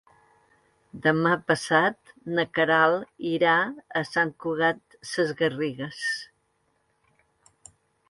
Demà passat na Queralt irà a Sant Cugat Sesgarrigues.